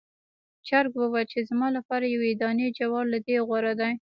چرګ وویل چې زما لپاره یو دانې جوار له دې غوره دی.